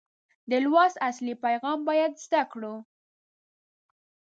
د لوست اصلي پیغام باید زده کړو.